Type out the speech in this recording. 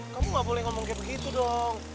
kamu gak boleh ngomong kayak begitu dong